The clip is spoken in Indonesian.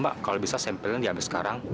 mbak kalau bisa sampelnya diambil sekarang